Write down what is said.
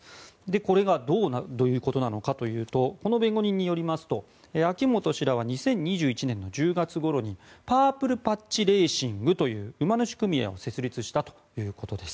これがどういうことなのかというとこの弁護人によりますと秋本氏らは２０２１年１０月ごろパープルパッチレーシングという馬主組合を設立したということです。